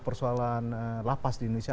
persoalan lapas di indonesia